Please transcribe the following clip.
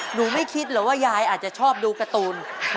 ไม่คิดหรอกว่ายายอาจจะชอบดูการ์ตูน